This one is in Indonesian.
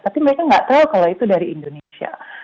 tapi mereka nggak tahu kalau itu dari indonesia